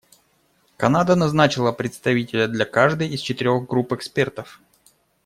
Канада назначила представителя для каждой из четырех групп экспертов.